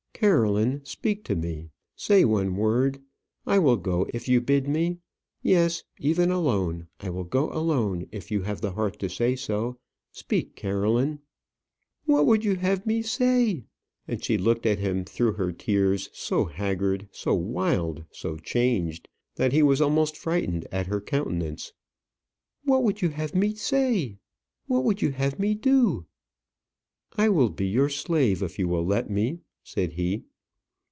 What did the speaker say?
"Caroline, speak to me say one word. I will go if you bid me. Yes, even alone. I will go alone if you have the heart to say so. Speak, Caroline." "What would you have me say?" and she looked at him through her tears, so haggard, so wild, so changed, that he was almost frightened at her countenance. "What would you have me say? what would you have me do?" "I will be your slave if you will let me," said he.